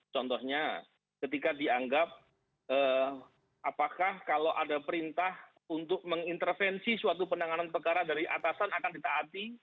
contohnya ketika dianggap apakah kalau ada perintah untuk mengintervensi suatu penanganan perkara dari atasan akan ditaati